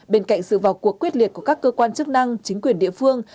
bên cạnh sự vào cuộc quyết liệt của các cơ quan chức năng chính quyền địa phương